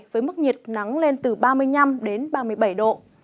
với mức nhiệt nắng lên từ ba mươi năm ba mươi bảy độ